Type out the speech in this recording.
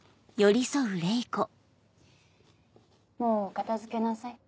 もう片付けなさい。